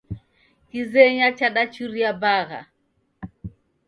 Kizenya chadachuria bagha